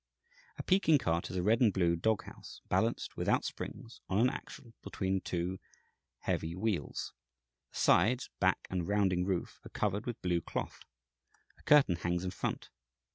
A Peking cart is a red and blue dog house, balanced, without springs, on an axle between two heavy wheels. The sides, back, and rounding roof are covered with blue cloth. A curtain hangs in front.